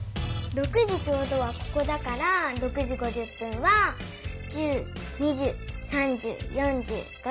６時ちょうどはここだから６時５０分は１０２０３０４０５０ここ！